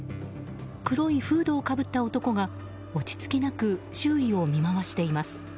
黒いフードをかぶった男が落ち着きなく周囲を見回しています。